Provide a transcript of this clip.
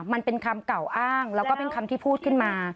มันเป็นคำกล่าวอ้างแล้วก็เป็นคำที่พูดขึ้นมา